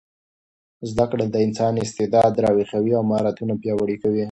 زده کړه د انسان استعداد راویښوي او مهارتونه پیاوړي کوي.